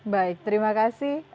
baik terima kasih